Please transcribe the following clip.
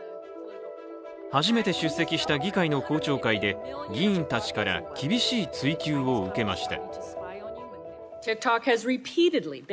初めて出席した議会の公聴会で議員たちから厳しい追及を受けました。